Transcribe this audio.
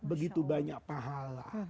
begitu banyak pahala